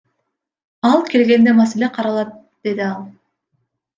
Ал келгенде маселе каралат, — деди ал.